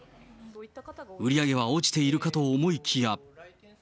売り上げは落ちているかと思いきや。